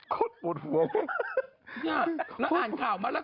เขาอดหัวเนี่ยแล้วอ่านข่าวมะละกอ